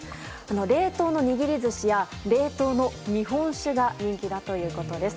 冷凍の握り寿司や冷凍の日本酒が人気だということです。